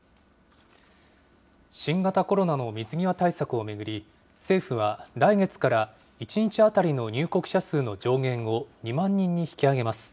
新型コロナの水際対策を巡り、政府は来月から１日当たりの入国者数の上限を２万人に引き上げま